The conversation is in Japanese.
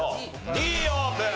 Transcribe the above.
Ｄオープン！